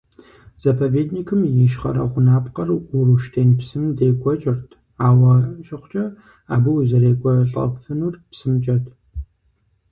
Заповедникым и ищхъэрэ гъунапкъэр Уруштен псым декӀуэкӀырт, ауэ щыхъукӀэ абы узэрекӀуэлӀэфынур псымкӀэт.